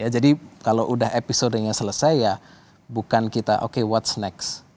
jadi kalau udah episodenya selesai ya bukan kita oke what s next